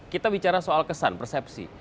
kita bicara soal kesan persepsi